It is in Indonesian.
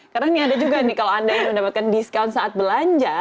karena ini ada juga nih kalau anda yang mendapatkan diskaun saat belanja